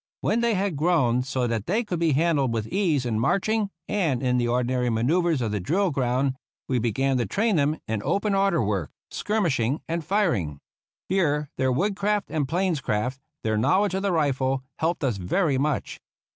When they had grown so that they could be handled with ease in marching, and in the ordinary manoeuvres of the drill ground, we began to train them in open order work, skirmishing and firing. Here their wood craft and plainscraft, their knowledge of the rifle, helped us very much.